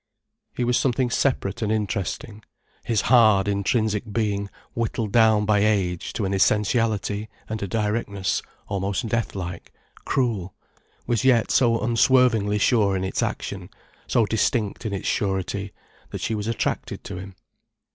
He was something separate and interesting; his hard, intrinsic being, whittled down by age to an essentiality and a directness almost death like, cruel, was yet so unswervingly sure in its action, so distinct in its surety, that she was attracted to him.